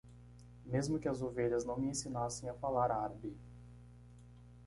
Mesmo que as ovelhas não me ensinassem a falar árabe.